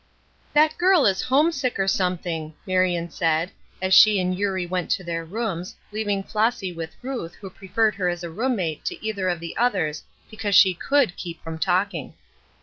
"That girl is homesick or something," Marion said, as she and Eurie went to their rooms, leaving Flossy with Ruth, who prefered her as a room mate to either of the others because she could keep from talking.